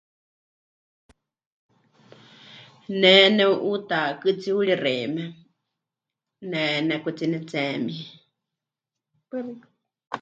Ne neu'uuta kɨtsiuri xeíme ne... nekutsi pɨnetsemi.